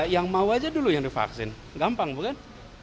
yang mau aja dulu yang divaksin gampang bukan